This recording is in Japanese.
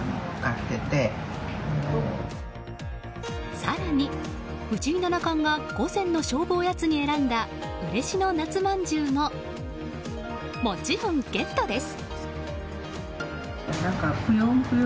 更に、藤井七冠が午前の勝負オヤツに選んだうれしの夏まんじゅうももちろんゲットです。